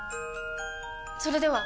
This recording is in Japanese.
それでは！